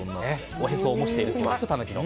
おへそを模しているそうですタヌキの。